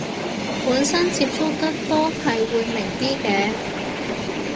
本身接觸得多係會明啲嘅